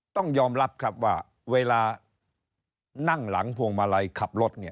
ต้องยอมรับครับว่าเวลานั่งหลังพวงมาลัยขับรถเนี่ย